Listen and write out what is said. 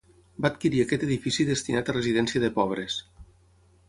Va adquirir aquest edifici destinat a residència de pobres.